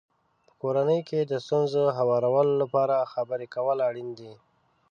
په کورنۍ کې د ستونزو هوارولو لپاره خبرې کول اړین دي.